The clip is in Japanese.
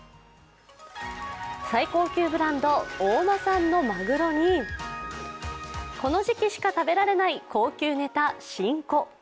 最高級ブランド・大間産のまぐろにこの時期しか食べられない高級ネタ、新子。